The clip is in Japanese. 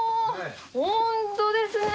本当ですね。